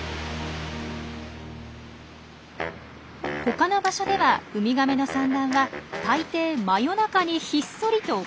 他の場所ではウミガメの産卵は大抵真夜中にひっそりと行われます。